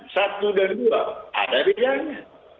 satu dan dua ada bedanya